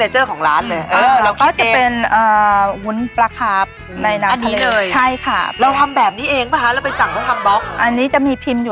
จุดหัวอ๋อจุดตุ่มกลางแบบนี้ใช่มั้ย